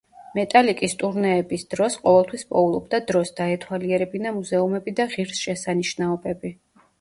მეტალიკის ტურნეების დროს ყოველთვის პოულობდა დროს, დაეთვალიერებინა მუზეუმები და ღირსშესანიშნაობები.